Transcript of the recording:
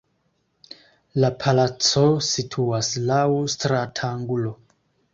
La palaco situas laŭ stratangulo.